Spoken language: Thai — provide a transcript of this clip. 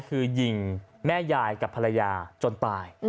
คือยิงแม่ยายกับภรรยาจนตาย